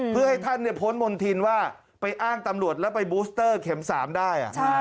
เพื่อให้ท่านพ้นมณฑินว่าไปอ้างตำรวจแล้วไปบูสเตอร์เข็ม๓ได้